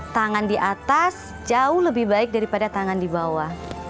tangan di atas jauh lebih baik daripada tangan di bawah